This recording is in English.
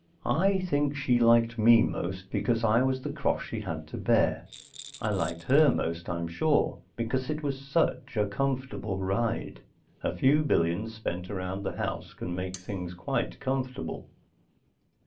I think she liked me most because I was the cross she had to bear. I liked her most, I'm sure, because it was such a comfortable ride. A few billions spent around the house can make things quite comfortable.